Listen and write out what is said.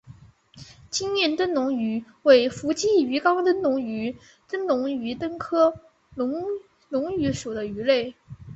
金焰灯笼鱼为辐鳍鱼纲灯笼鱼目灯笼鱼科灯笼鱼属的鱼类。